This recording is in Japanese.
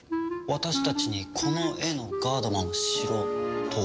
私たちにこの絵のガードマンをしろと？